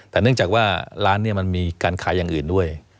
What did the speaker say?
แต่เนื่องจากว่าร้านนี้มันมีการขายอย่างอื่นด้วย